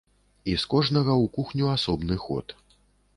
І з кожнага ў кухню асобны ход.